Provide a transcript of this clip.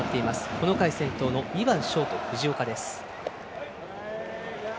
この回、先頭の２番ショート・藤岡です。